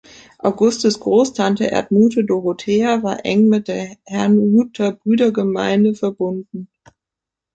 Augustes Großtante Erdmuthe Dorothea war eng mit der Herrnhuter Brüdergemeine verbunden.